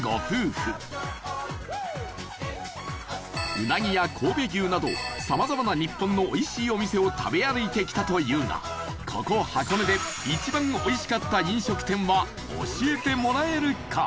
ウナギや神戸牛などさまざまな日本のおいしいお店を食べ歩いてきたというがここ、箱根で一番おいしかった飲食店は教えてもらえるか？